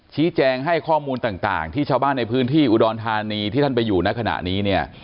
ชี้แจงให้ข้อมูลต่างที่ชาวบ้านในพื้นที่อุดรธานีที่ท่านไปอยู่ในขณะนี้เนี่ย